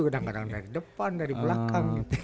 kadang kadang dari depan dari belakang